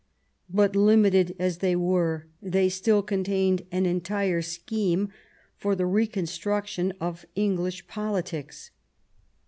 But limited as they were, they still con tained an entire scheme for the reconstruction of English politics.